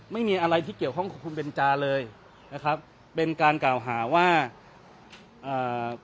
ไม่มีอะไรที่เกี่ยวข้องกับคุณเบนจาเลยนะครับเป็นการกล่าวหาว่าอ่า